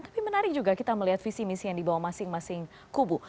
tapi menarik juga kita melihat visi misi yang dibawa masing masing kubu